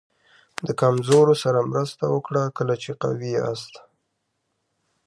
د کمزورو سره مرسته وکړه کله چې قوي یاست.